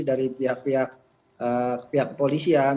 dari pihak pihak kepolisian